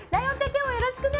今日もよろしくね。